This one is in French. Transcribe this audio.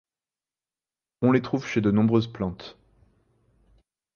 On les trouve chez de nombreuses plantes.